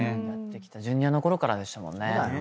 Ｊｒ．のころからでしたもんね。